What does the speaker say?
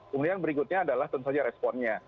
kemudian berikutnya adalah tentu saja responnya